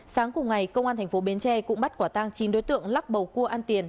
sáng cùng ngày công an thành phố bến tre cũng bắt quả tang chín đối tượng lắc bầu cua ăn tiền